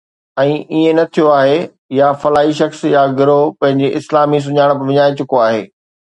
۽ ائين نه ٿيو آهي، يا فلاڻي شخص يا گروهه پنهنجي اسلامي سڃاڻپ وڃائي چڪو آهي